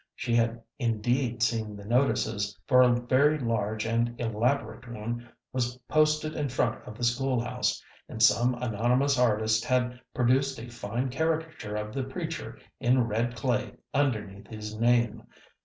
She had indeed seen the notices, for a very large and elaborate one was posted in front of the school house, and some anonymous artist had produced a fine caricature of the preacher in red clay underneath his name.